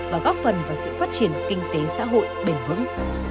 và góp phần vào sự phát triển kinh tế xã hội bền vững